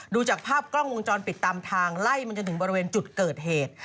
ดูจากภาพกล้องวงจรปิดตามทางไล่มันจนถึงบริเวณจุดเกิดเหตุ